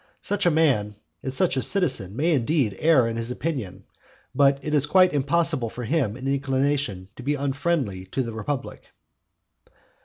Such a man and such a citizen may indeed err in his opinion, but it is quite impossible for him in inclination to be unfriendly to the republic.